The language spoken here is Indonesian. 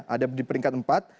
ada di peringkat empat